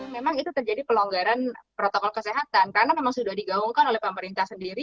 memang itu terjadi pelonggaran protokol kesehatan karena memang sudah digaungkan oleh pemerintah sendiri